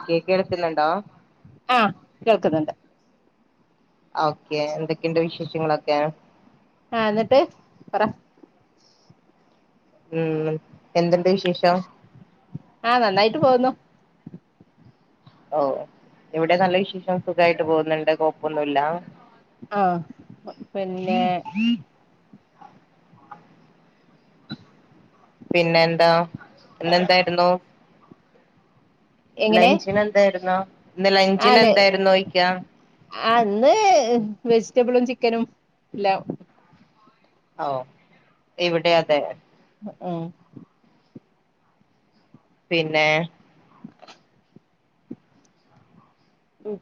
Okay കേൾക്കുന്നുണ്ടോ ആ കേൾക്കുന്നുണ്ട് ഓക്കെ എന്തൊക്കെണ്ട് വിശേഷങ്ങളൊക്കെ ആ ഇന്നിട്ട് പറ ഉം എന്തണ്ട് വിശേഷം ആഹ് നന്നായിട്ട് പോകുന്നു ഓ ഇവിടെ നല്ല വിശേഷം സുഖായിട്ട് പോകുന്നുണ്ട് കൊഴപ്പൊന്നുല്ല ആപിന്നെ പിന്നെ എന്താ ഇന്നെന്തായിരുന്നു എങ്ങനെ ലഞ്ചിന് എന്തായിരുന്നു ഇന്ന് ലഞ്ചിന് എന്തായിരുന്നു യിക്ക ആ ഇന്ന് വെജിറ്റബിളും ചിക്കനും എല്ലാം ഓ ഇവിടെ അതെ മം പിന്നെ ഉം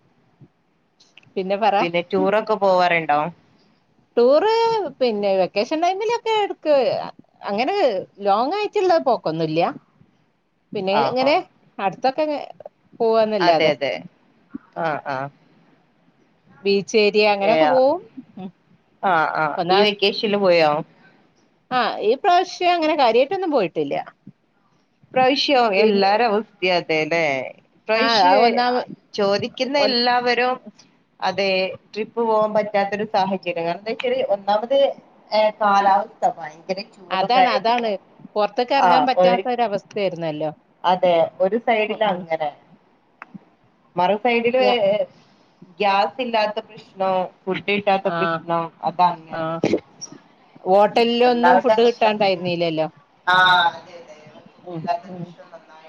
പിന്നെ ടൂറൊക്കെ പോവാറുണ്ടോ ടൂറ് പിന്നെ വെക്കേഷൻ ടൈമിലൊക്കെ എടുക്ക അങ്ങനെ ലോങ് ആയട്ടില്ല പോക്കൊന്നുംല്ല പിന്നെ ആ ആ ഇങ്ങനെ അടുത്തൊക്കെ അതെ പോവന്നല്ലാതെ അതെ ആ ബീ ശെരി ഏ അങ്ങനെയൊക്കെ പോവും ആ ഉം ആ ഒന്നാ ഈ വെക്കേഷനിൽ പോയോ ആ ഈ പ്രാവശ്യം അങ്ങനെ കാര്യമായിട്ടൊന്നും പോയിട്ടില്ല ഇപ്രാവിശ്യം പിന്നെ എല്ലാരിം അവസ്ഥഅതെ ല്ലെ ആഹ് ഇപ്രവിശ്യ അത് ഒന്നാമ ചോദിക്കുന്ന എല്ല എല്ലാവരും അതെ ട്രിപ്പ് പോകാൻ പറ്റാത്തരു സാഹചര്യം കാരണം എന്താ വെച്ചാൽ ഒന്നാമത് എ കാലാവസ്ഥ ഭയ യങ്കര ചൂടും അതാണ് അതാണ് കാര്യങ്ങളും പുറത്തേക്ക് ആ ഇറങ്ങാൻ ഒരു പറ്റാത്ത ഒരവസ്ഥയായിരുന്നല്ലോ അതെ ഒരു ഉം സൈഡില് ഉം അങ്ങനെ മറു സൈഡില് ഞ ഗ്യാസ് ഇല്ലാത്ത പ്രശ്നോം ഫുഡ് കിട്ടാത്ത ആഹ് പ്രശ്നം അതങ്ങനെ ആഹ് ഹോട്ടലിലൊന്നും എല്ലാവരുടെ ഫുഡ് അവസ്ഥ അതേ കിട്ടാണ്ടായിരുന്നില്ലല്ലോ ആ അതെ അതേ ഫുഡ് ഉം ഇല്ലാത്ത ഉം പ്രശ്നം നന്നായിട്ട്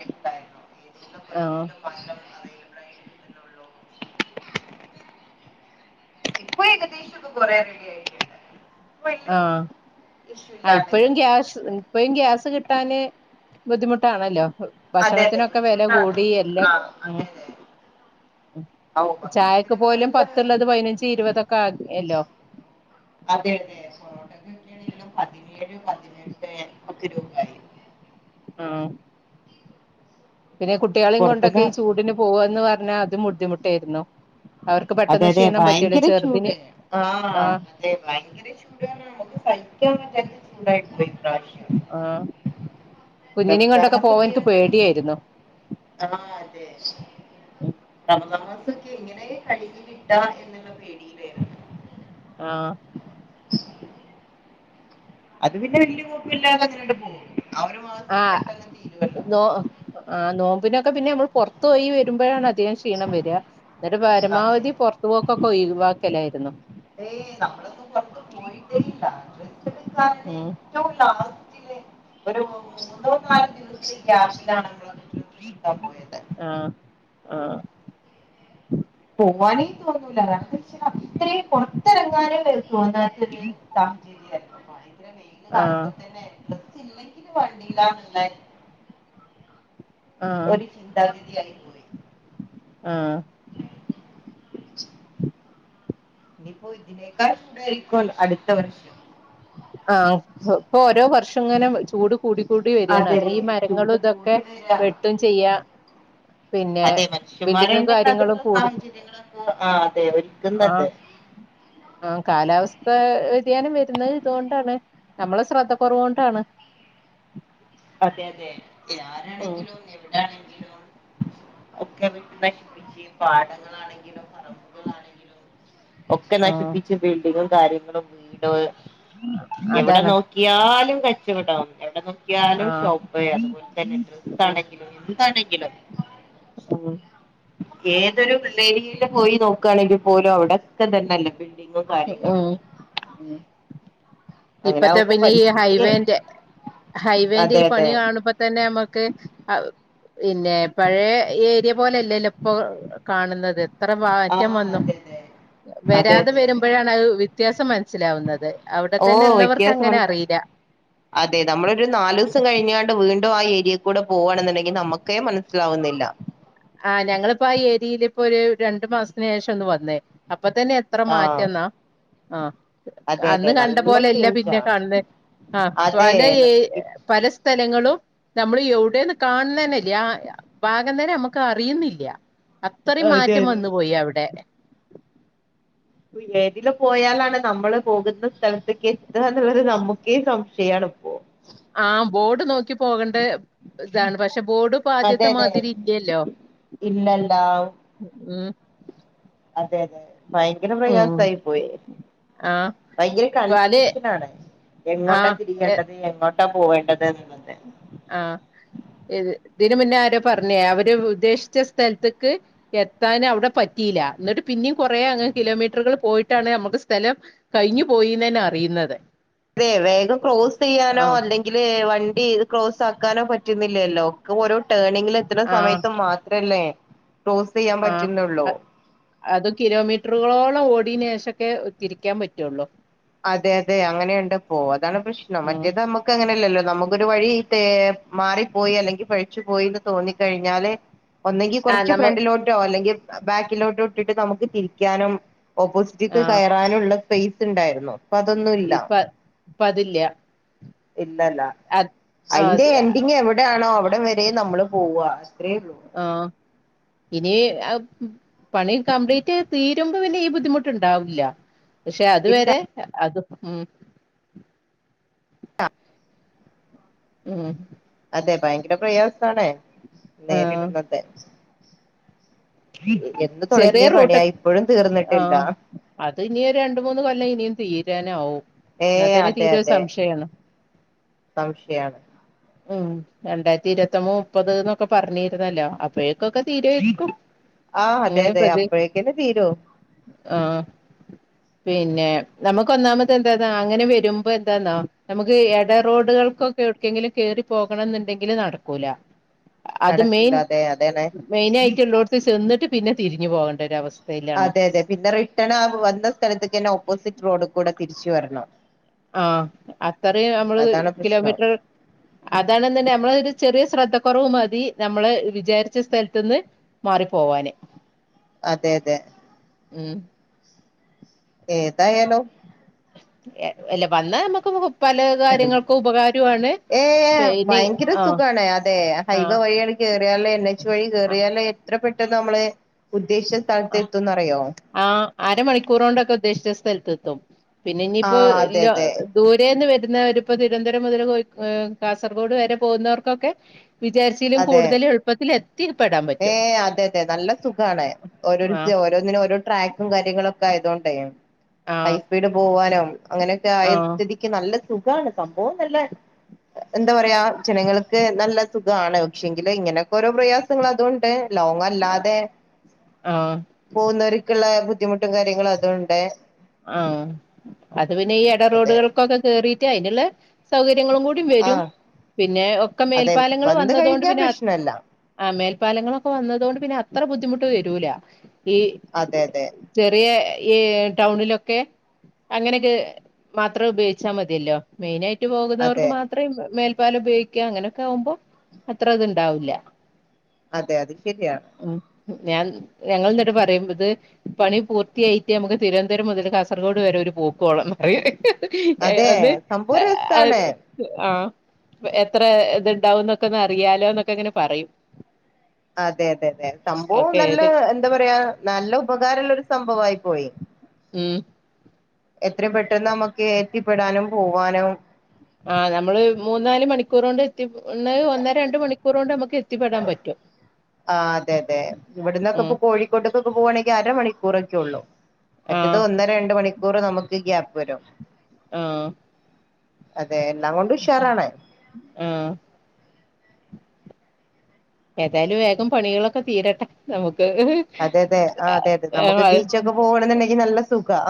ആഹ് ള്ള [unintelligible] ഇപ്പൊ ഏകദേശം ഒക്കെ കൊറേ റെഡി ആയിട്ട്ണ്ട് ആ ആ ഇപ്പഴും ഇങ്ങനെ പോകുന്നുണ്ട് ഗ്യാസ് ഇപ്പഴും ഗ്യാസ് കിട്ട് കിട്ടാന് ബുദ്ധിമുട്ടാണല്ലോ അതെ അതെ ഭക്ഷണത്തിനൊക്കെ വില ബുദ്ധിമുട്ടാണ് കൂടി എല്ലാം ആഹ് ഉം അതെ അതെ ഉം ഔ ചായക്ക് ഭക്ഷണത്തിനൊക്കെ പോലും നല്ല പത്തുള്ളത് പതിനഞ്ച് ഇരുപതൊക്കെ ആക്കി ല്ലോ അതെ അതെ ഇവിടെ പതിനേഴ് പതിനെട്ട് ഒക്കെ രൂപായി ആഹ് പിന്നെ കുട്ടികളെയും കൊണ്ടൊക്കെ പൊറത്ത്ന്ന് ഈ ചൂടിന് പോവന്ന് പറഞ്ഞാൽ അതും ബുദ്ധിമുട്ടായിരുന്നു അവർക്ക് അതെ പെട്ടെന്ന് അതെ ക്ഷീണം പറ്റുവല്ലോ ഭയങ്കര ചൂട് ചെറുതിന് ആ ആഹ് അതെ ഭയങ്കര ചൂടാണ് നമുക്ക് സയി ക്കാൻ പറ്റാത്ത ചൂടായി പോയി ഇപ്രാവശ്യം ആഹ് കുഞ്ഞിനേം റംസാം കൊണ്ടൊക്കെ പോവാൻ എനിക്ക് മാസൊക്കെയാണ് പേടിയായിരുന്നു ആഹ് അതെ റമദാൻ മാസ ക്കെ എങ്ങനെ കഴിഞ്ഞ് കിട്ടാ എന്നുള്ള പേടിയിൽ ആയിരുന്നു ആഹ് അത് പിന്നെ വല്യ കൊഴപ്പല്ലാതെ അങ്ങനെയങ്ങട് പോന്നു ആ നോ ആ നോമ്പിനൊക്കെ പിന്നെ മ്മള് പുറത്ത് പോയി വരുമ്പോഴാണ് ധികം ക്ഷീണം വരിക എന്നിട്ട് പരമാവധി പൊറത്തുപോക്കൊക്കെ ഒയിവാക്കലായിരുന്നു ഏയ് നമ്മള് ഒന്നും പൊറത്ത് പോയിട്ടേയില്ല [unintelligible] ഉം ഏറ്റവും ലാസ്റ്റിലെ ഒരു മൂന്നോ നാലോ ദിവസം ഗ്യാസ്സിലാണ് ആഹ് ആഹ് പോവാനേ തോന്നൂല [unintelligible] ഇത്രയും പുറത്തിറങ്ങാനെ വരെ തോന്നാത്തൊരു സാഹചര്യമായിരുന്നു ഇത്രയും വെയില് ആഹ് കാണുമ്പോ തന്നെ ഡ്രസ്സ് ഇല്ലെങ്കില് വേണ്ടിയിലാന്നുള്ള ആഹ് ഒരു ചിന്താഗതി ആയി പോയി ആഹ് ഇനിപ്പോ ഇതിനേക്കാൾ ചൂടായിരിക്കും ല്ലോ അടുത്ത വർഷം ആഹ് ഇപ്പൊ ഓരോ വർഷം ഇങ്ങനെ ചൂട് കൂടി കൂടി വരികാണ് അതെ അത് അതെ ഈ മരങ്ങളു ചൂട് ഇതൊക്കെ കൂടി വരാ വെട്ടും ചെയ്യാ പിന്നെ അതെ ബിൽഡിങ്ങും മനുഷ്യന്മാരന്ന കാര്യങ്ങളും അതിനുള്ള കൂടു സാഹചര്യങ്ങളൊക്കെ ആ അതെ ആഹ് ഒരുക്കുന്നത് ആഹ് കാലാവസ്ഥ വ വ്യതിയാനം വരുന്നത് ഇതുകൊണ്ടാണ് നമ്മളെ ശ്രദ്ധ കുറവ് കൊണ്ടാണ് അതെ അതെ ഉം ആരാണെങ്കിലും എവിടെ ആണെങ്കിലും ഒക്കെ വെട്ടി നശിപ്പിച്ച് പാടങ്ങളാണെങ്കിലും പറമ്പ് [inaudible] ഒക്കെ ആഹ് നശിപ്പിച്ച് ബിൽഡിങ്ങും കാര്യങ്ങളും വീട് എവിടെ അതാണ് നോക്കിയാലും കച്ചവടം എവിടെ നോ ക്കിയാലും ആഹ് ഷോപ്പ് അതുപോലെ തന്നെ ഡ്രസ്സാണെങ്കിലും എന്താണെങ്കിലും ആഹ് ഏതൊരു [unintelligible] പോയി നോക്കുകയാണെങ്കിൽ പോലും അവിടൊക്കെ തന്നെല്ല ഉം ഉം അങ്ങനെ ഇപ്പത്തെ ആകുമ്പോ പിന്നെ ഈ പരിസ്ഥിതി ഹൈവേന്റെ ഹൈവെന്റെ അതെ ഈ അതെ പണി കാണുമ്പോ തന്നെ നമ്മക്ക് പിന്നെ പഴയ ഏരിയ പോലല്ലല്ലോ ഇപ്പോ കണ്ന്നത് എത്ര മാറ്റം ആഹ് വന്നു. അതെ അതെ അതെ വെരാതെ അതെ വെരും [unintelligible] മ്പോ വ്യത്യാസം മനസ്സിലാവുന്നത്. അവിടെ ഓ തന്നെ ഉള്ളവർക്ക് അങ്ങനെ വ്യത്യാസമുണ്ട് അറിയില്ല അതെ നമ്മളൊരു നാല് ദിവസം കഴിഞ്ഞാണ്ട് വീണ്ട ണ്ടും ആ ഏരിയൽ കൂടെ പോവാണെന്നുണ്ടെങ്കിൽ നമ്മക്കേ മനസ്സിലാവുന്നില്ല. ആ ഞങ്ങളിപ്പോ ആ ഏരിയെല് ഇപ്പോ ഒരു രണ്ടു മാസത്തിന് ശേഷം ഒന്ന് വന്നേ. അപ്പൊ അപ്പോ തന്നെ എത്ര ആഹ് മാറ്റന്ന അ അതെ അന്ന് അതെ കണ്ട നല്ല പോലെല്ല ചേഞ്ചാ പിന്നെ കാണന്ന് അ അതെ പല ഏ ഇപ് പലസ്ഥ സ്ഥലങ്ങളും നമ്മൾ യൗവ്ടെന്ന് കാൺന്നന്നല്ല ആ ഭാഗം തന്നെ നമ്മക്ക് ക്ക് അറിയുന്നില്ല്യ അത്രയും അതെ മാറ്റം അതെ വന്നു പോയി അവ്ടെലെ എതിലെ പോയാലാണ് നമ്മള് പോകുന്ന സ്ഥലത്തെക്ക് എത്തുക എന്നുള്ളത് നമ്മുക്കെ സംശയയാണ് ഇപ്പോ ആ ബോഡ് നോക്കി പോകണ്ട ഇതാണ് പക്ഷെ ബോഡ് അതെ പാദ്യത്തെ അതെ മാതിരി ഇല്ലല്ലോ ഇല്ലല്ല മ്മ് അതെ അതെ ഭയങ്കര ഉം പ്രയാസായായി പോയി ആഹ് ഭയങ്കര പലെ കൺഫ്യൂഷനാണ് എങ്ങോട്ടാ ആഹ് തിരിയേണ്ടത് എങ്ങോട്ടാ പോവെണ്ടത് ആ ഇത് ഇതിന് മുന്നെ ആരോ പറഞ്ഞേ അവര് ഉദ്ദേശിച്ച സ്ഥലത്ത്ക്ക് എത്താൻ അവിടെ പറ്റിയില്ല എന്നിട്ട് പി ഇനീം കുറെയങ്ങ് കിലോമീറ്ററുകൾപോയിട്ടാണ് നമ്മുക്ക് സ്ഥലം കഴിഞ്ഞുപോയിന്ന് തന്നെഅറിയുന്നത് അതെ വേഗം ക്രോസ് ചെയ്യാനോ അല്ലെങ്കില് വൻ ണ്ടി ക്രോസ് ആക്കാനോ പറ്റുന്നില്ലല്ലോ ഒക്കെ ഓരോ ടേണിങ്ങിൽ എത്ര സമയത്തുമാത്രല്ലേ ആ അ അതും കിലോമീറ്ററുകളോളം ഓടീനുശേഷം ഒക്കെ ത്തിരിക്കാൻ പറ്റുള്ളൂ അതെ അതെ അങ്ങനെയുണ്ട് പ്പോ അതാണ് പ്രശ്നം ഉം മറ്റേത് നമ്മുക്കങ്ങനെ ഇല്ലല്ലോ നമുക്കോരു വഴി ത്തെ മാറിപ്പോയി അല്ലെങ്കി പെയച്ചു പോയീന്നുതോന്നിക്കഴിഞ്ഞാല് ഒന്നങ്കി ആഹ് കുറച്ച് നമ്മ ഫ്രണ്ടിലോട്ടോ അല്ലെങ്കി ബാക്കിലോട്ട് ഇട്ടിട്ട് നമുക്ക് തിരിക്കാനും ഓപ്പോസിറ്റ്ക്ക് ആഹ് കയറാനുള്ള സ്പെയിസ് ഉണ്ടായിരുന്നു ഇപ്പൊ അതൊന്നുല്ല ഇപ്പ ഇപ്പ അതില്ല ഇല്ലല്ലാ അത് അതിന്റെ ആഹ് എൻഡിങ് എവിടെയാണോ അവിടം വരെ നമ്മള് പോവാ അത്രെയുള്ളൂ ആഹ് ഇനി പണി കംപ്ലീറ്റ് തീരുമ്പോ പിന്നെ ഈ ബുദ്ധിമുട്ടുണ്ടാവില്ല പക്ഷെ ഇല്ല അതുവരെ അത് മ്മ് അ ഉം അതെ ഭയങ്കര പ്രയാസാണേ ആഹ് നേരിടുന്നത് എന്ന് ചെറിയ തുടങ്ങിയ റോട്ട് പണിയാ ഇപ്പോഴും ആ തീർന്നിട്ടില്ല അത് ഇനി രണ്ടുമൂന്നു കൊല്ലം ഇനിയും തീരാനാവും ഏ എന്നാത്തന്നെ അതെ തീരെ അതെ സംശയാണ് സംശയാണ് ഉം രണ്ടായിരത്തി ഇരുപത്തോമ്പത് മുപ്പത് ന്നോക്കെ പറഞ്ഞിരുന്നല്ലോ അപ്പഴെകോക്കെ തീരായിക്കും ആ അതെ അതെ അപ്പോഴെക്കെന്നെ തീരു ആ പിന്നെ നമുക്ക് ഒന്നാമത് എന്താന്നാ അങ്ങനെ വരുമ്പോ എന്താന്നോ നമുക്ക് ക്ക് എട അതെ റോഡുകൾക്കോക്കെ എവിടെക്കെങ്കിലും കേറിപോകണം എന്നുണ്ടെങ്കിൽ നടക്കൂല അത് നടക്കൂല മെയിൻ അതെ അതാണ് മെയിനായിട്ടുള്ളോടത്ത് ചെന്നിട്ട് പിന്നെ തിരിഞ്ഞു പോകെണ്ടോരവസ്ഥ അതെ അതെ പിന്നെ റിട്ടാണാവുമ്പോ വന്ന സ്ഥലത്ത്ക്കെന്നെ ഓപ്പോസിറ്റ് റോഡിൽ കൂടെ തിരിച്ചുവരണം ആ അത്രയും നമ്മള് പ്രശ്നം കിലോമീറ്റർ അതാണ് നമ്മള് ഒരു ചെറിയ ശ്രദ്ധകുറവ് മതി നമ്മള് വിചാരിച്ച സ്ഥലത്തുന്ന് മാറിപ്പോവാന് അതെ അതെ ഉം ഏതായാലും അല്ല വന്നാ നമുക്ക് പല കാര്യങ്ങൾക്കും ഉപകാരമാണ് ഏഹ് പിന്നെ ഭയങ്കര ആഹ് സുഖാണ് അതെ ഹൈവേ ആഹ് വഴിയാണ് കയറിയാലേ വഴി കേയറിയല്ല എത്ര പെട്ടെന്ന് നമ്മള് ഉദ്ദേശിച്ച സ്ഥലത്ത് എത്തുംന്നറിയോ ആ അരമണിക്കൂർ കൊണ്ടൊക്കെ ഉദ്ദേശിച്ച സ്ഥല പിന്നെ ഇനിയിപ്പോ ആഹ് അതെ അതെ ദൂരന്ന് വ പ്പോ തിരുവനന്തപുരം മുതൽ കാസർഗോഡ് വരെ പോകുന്നവർക്കൊക്കെ വിചാരിച്ചിലും അതെ കൂടുതൽ എളുപ്പത്തിൽ എത്തിപ്പെെടാൻ പറ്റും ഓരോ ആഹ് ഓരോന്നിനും ഓരോ ട്രാക്കും കാര്യങ്ങളും ഒക്കെ ആയതുകൊണ്ടേ ആഹ് ഹൈസ്പീഡ് പോവാനോ അങ്ങനെയൊക്കെ ആയ ആഹ് സ്ഥതിക്ക് നല്ല സുഖമാണ് സംഭവം നല്ല എന്താ പറയാ ജനങ്ങൾക്ക് നല്ല സുഖ ഇതാണ് പക്ഷെങ്കില ഇങ്ങനെയക്കെഓരോ പ്രയാസങ്ങൾ അതുകൊണ്ട് ലോങ് അല്ലാതെ ആഹ് പോകുന്നൊ ക്കുള്ള ബുദ്ധിമുട്ടും കാര്യങ്ങളും അതുണ്ട് ആഹ അത് പിന്നെ ഈ അതെ ഇടറോഡുകൾക്കൊക്കെ കേറിട്ട് അതിനുള്ള സൗകര്യ യങ്ങളും കൂടി വരും ആഹ് പിന്നെ ഒക്കെ അതെ മേൽപാലങ്ങൾ വന്ന് വന്നതൊണ്ട് കഴിഞ്ഞാ പിന്നെ പ്രശ്നല്ല ആഹ് മേൽപ്പാലങ്ങളൊക്കെ വന്നതൊണ്ട് പിന്നെ അത്ര ബുദ്ധിമുട്ട് വരൂല ഈ അതെ അതെ ചെറിയ ഈ ടൗണിലൊക്കെ അങ്ങനൊക്കെ മാത്രം ഉപയോഗിച്ചാൽ മതിയല്ലോ മെയിനയിട്ട് പോകുന്നവർക്ക് അതെ മാത്രേ മേൽ പ്പാല ഉപയോഗിക്കുക അങ്ങനെയൊക്കെ ആകുമ്പോ അത്ര ഇത്ണ്ടാവൂില്ല അതെ അതെ ശരിയാണ് ഞാൻ ഞങ്ങൾന്നിട്ട് പറയുമ്പത് പണി പൂർത്തിയായിട്ട് നമുക്ക് തിരുവനന്തപുരം മുതൽ കാസർഗോഡ് വരെ ഒരു പോക്കുവോളന്ന്റ അതെ അത് സംഭവം രസാണ് ആഹ് എത്ര ഇത്ണ്ടാവുംന്നൊക്കെ ഒന്ന് അറിയാലോ എന്നൊക്കെ ഇങ്ങനെ പറയും അതെ അതെ അതെ സംഭവം ഓക്കെ നല്ല ഏത് എന്താ പറയാ നല്ല ഉപകാരമുള്ളരു സംഭവയി പോയി ഉം എത്ര പെട്ടെന്ന് നമ്മുക്ക് എത്തിപ്പെടാനും പോവാനും ആഹ് നമ്മള് മൂന്ന് നാല് മണിക്കൂർ കൊണ്ട് എത്തിന്ന് ഒന്ന് രണ്ട് മണിക്കൂർ കൊണ്ട് നമുക്ക് എത്തിപ്പെടാൻ പറ്റും ആ അതെ അതെ ഇവിടുന്നൊക്കെ ഉം ഇ കോഴിക്കോട്ടക്കൊക്കെ പോകവാണെങ്കിൽ അരമണിക്കൂറൊക്കെ ഉള്ളു മറ്റത് ആഹ് ഒന്ന് രണ്ട് മണിക്കൂർ നമുക്ക് ഗ്യാപ്പ് വരും ആഹ് അത് എല്ലാം കൊണ്ട് ഉഷാറാാണ് ആഹ് ഏതായാലും വേഗം പണികളൊക്കെ തീരട്ടെ നമുക്ക് അതെ അതെ ആഹ് അതെ അതെ നമുക്ക് ബീച്ചൊക്കെ [unintelligible] പോകണെന്നുണ്ടെങ്കിൽ നല്ല സുഖാ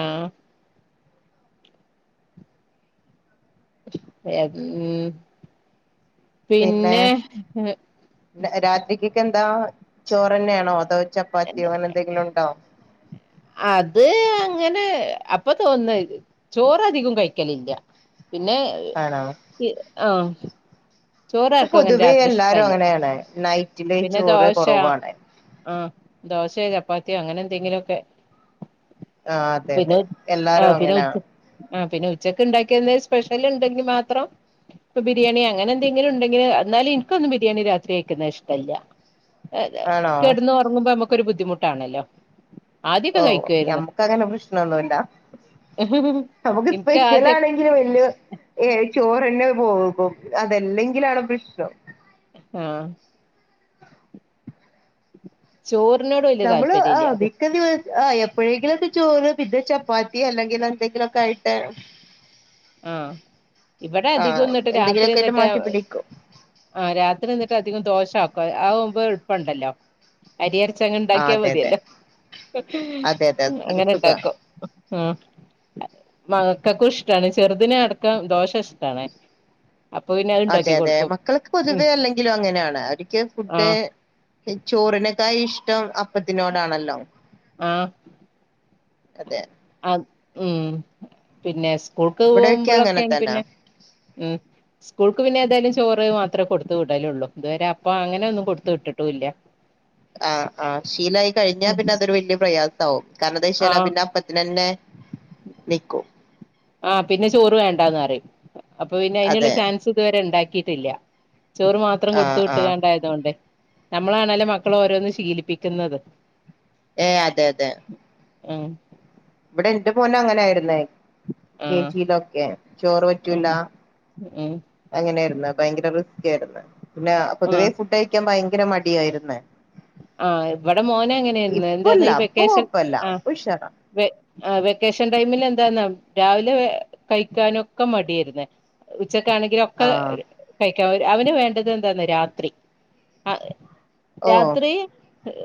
ആഹ് എ പിന്നെ അതാ ചോറ്ന്നെയാണോ അതോ ചപ്പാത്തിയോ അങ്ങനെ എന്തെങ്കിലും ഉണ്ടോ അത് അങ്ങനെ അപ്പൊ തോന്ന ചോറധികം കഴിക്കലില്ല പിന്നെ ആണോ ആഹ് ഇപ്പൊ ചോറർക്കും അങ്ങനെ പൊതുവേ രാത്രി എല്ലാരും ഇഷ്ടല്ല അങ്ങനെയാണ് നൈറ്റില് പിന്നെ ചോറ് ദോശ കുറവാണ് ആ ദോശയോ ചപ്പാത്തിയോ അങ്ങനെ എന്തെങ്കിലുമൊക്കെ ആഹ് അതെ അതെ എല്ലാരും അങ്ങനെയ ആ പിന്നെ ഉച്ചക്ക് ഉണ്ടാക്കിയന്ന സ്പെഷ്യൽ ഉണ്ടെങ്കി മാത്രം ഇപ്പ ബിരിയാണി അങ്ങനെ എന്തെങ്കിലും ഉണ്ടെങ്കിൽ എന്നാലും എനിക്കൊന്ന് ബിരിയാണി രാത്രി കഴിക്കുന്ന ഇഷ്ടല്ല ല്ലഏ ആണോ കെടന്ന് ഉറങ്ങുമ്പോ നമ്മുക്കരു ബുദ്ധിമുട്ടാണല്ലോ ആദ്യൊക്കെ ഓ കഴിക്കുവായിരുന്നു നമ്മുക്ക് അങ്ങനെ പ്രശ്നൊന്നുമില്ല നമ്മുക്ക് എനിക്ക് സ്പെഷ്യൽ ആദ്യ ആണെങ്കിലും വലിയ ചോറ്ന്നെ പോകും അതെല്ലെങ്കിലാണ് പ്രശ്നം ആ ചോറിനോട് വലിയ നമ്മള് താല്പര്യം ആ ഇല്ല വിക്ക ആ എപ്പോഴെങ്കിലുംക്കെ ചോറ് പിന്നെ ചപ്പാത്തി അല്ലെങ്കിൽ എന്തെങ്കിലുമൊക്കെ ആയിട്ട് ആ ഇവിടെ ആ അധികംന്നിട്ട് രാത്രി എന്തെങ്കിലൊക്കെ ആയിട്ട് എന്നിട്ട് മാറ്റി പിടിക്കും ആഹ രാത്രി നിന്നിട്ട് അധികം ദോശ യാക്കും അതാകുമ്പോൾ എളപ്പുണ്ടല്ലോ അരിയരച്ച അങ്ങങ് ആ ഉണ്ടാക്കിയാ അതെ അതെ മതിയല്ലോ അതെ അതെ അത് അങ്ങനെ സുഖ ഇണ്ടാക്കും ആ മക്കൾക്ക്‌ ഇഷ്ടാണ് ചെറുതിനിനെ അടക്കം ദോഷ ഇഷ്ടാണ് അപ്പൊ പിന്നെ അത് അതെ ഉണ്ടാക്കി അതെ കൊടുക്കും മക്കൾക്ക് ഉം പൊതുവെ അല്ലെങ്കിലും അങ്ങനെയാണ് അവക്ക് ഫുഡ് ആഹ് ചോറിനെ തായി ഇഷ്ടം അപ്പത്തിനോടാണല്ലോ അതെ ആ ഉം പിന്നെ സ്കൂൾക്ക് ഇവിടെയൊക്കെ അങ്ങനെ പോകുമ്പോഴൊക്കെയാണ് തന്നെ പിന്നെ ഉം സ്കൂൾക്ക് പിന്നെ ഏതായാലും ചോറ് മാത്രമേ കൊടുത്ത് വിടലള്ളൂ ഇതുവരെ അപ്പം അങ്ങനെ ഒന്നും കൊടുത്ത വിട്ടിട്ടൂല്ല ആഹ് ആ ശീലായി കഴിഞ്ഞാ പിന്നെ അതൊരു വലിയ പ്രയാസമാവും കാരണം എന്താ ആഹ് പിന്നെ അപ്പത്തിന തന്നെ നിക്കൂ ആഹ് പിന്നെ ചോറ് വേണ്ടാന്ന് പറയും അപ്പൊ പിന്നെ അതിനുള്ള അതെ ചാൻസ് ഇതുവരെ ഉണ്ടാക്കിട്ടില്ല ചോറ് മാത്രം കൊടുത്തു ആഹ് ആഹ് കിട്ടുകണ്ടായതുകൊണ്ട് നമ്മളാണല്ലേ മക്കള ഓരോന്ന് ശീലിപ്പിക്കുന്നത് ഏ അതെ അതെ ഉം ഇവിടെ എന്റെ മോന് അങ്ങനായിരുന്നേ കെ ആഹ് ജിയിലൊക്കെ ചോറ് പറ്റൂല ഉം ഉം അങ്ങനെയായിരുന്നു ഭയങ്കര റിസ്ക് ആയിരുന്നു പിന്നെ പൊതുവേ ആഹ് ഫുഡ് അയക്കാൻ ഭയ ഭയങ്കര മടിയായിരുന് ആ ഇവിടെ മോന അങ്ങനെയായിരുന്നു എന്താന്ന ഇപ്പല്ല ഈ ഇപ്പൊ വെക്കേഷൻ കൊഴപ്പല്ല ആ ഇപ്പൊ ഉഷാറാ വ ആ വെക്കേഷൻ ടൈമിൽ എന്താന്നാ രാവിലെ കഴിക്കാനൊക്കെ മടിയായിരുന്നു ഉച്ചക്കാണെങ്കിലൊക്കെ ആഹ് കഴി അവന് വേണ്ടത് എന്താന്ന രാത്രി ആ ഓ രാത്രി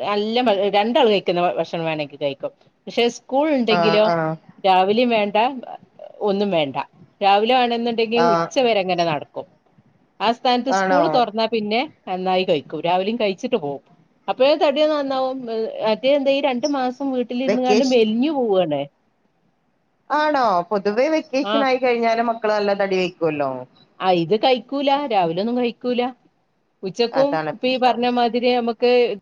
നല്ല രണ്ടാൾ കഴിക്കുന്ന ഭക്ഷണം വേണമെങ്കിൽ കഴിക്കും സ്കൂൾ ആഹ് ഉണ്ടെങ്കിലോ ആഹ് രാവിലെയും വേണ്ട ഒന്നും വേണ്ട രാവിലെ ആണ ണ്ടെങ്കിൽ ആഹ് ഉച്ച വരെങ്ങനെ നടക്കും ആ സ്ഥാനത്ത് സ്കൂൾ ആണോ തുറന്നാ പിന്നെ നന്നായി കഴിക്കും രാവിലെയും കഴിച്ചിട്ട് പോവും അപ്പോഴ തടിയ നന്നാവും അത് എന്താഈ രണ്ടു മാസം വീട്ടിൽഇരുന്ന്ക്കണ്ട് വെക്കേഷൻ മെലിഞ്ഞു പോവണേ ആണോ പൊതുവെ വെക്കേഷൻ ആഹ് ആയി കഴിഞ്ഞാൽ മക്കൾ നല്ല തടി വെക്കുമല്ലോ ആ ഇത് കഴിക്കൂല രാവിലെ ഒന്നും കഴിക്കൂല ഉച്ചക്കും അതാണ് ഇപ്പ ഈ പ്രശ്നം പറഞ്ഞ മാതിരി നമുക്ക്